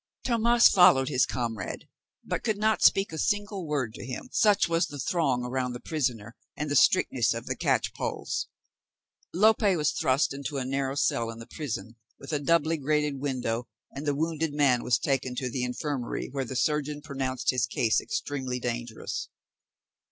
Tomas followed his comrade, but could not speak a single word to him, such was the throng round the prisoner, and the strictness of the catchpolls. Lope was thrust into a narrow cell in the prison, with a doubly grated window, and the wounded man was taken to the infirmary, where the surgeon pronounced his case extremely dangerous.